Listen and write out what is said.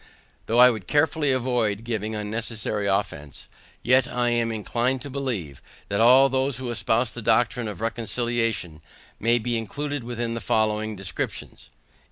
Though I would carefully avoid giving unnecessary offence, yet I am inclined to believe, that all those who espouse the doctrine of reconciliation, may be included within the following descriptions.